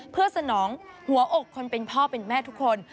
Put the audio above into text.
เพื่อสนองหัวอกคนเป็นพ่อเป็นแม่ทุกคน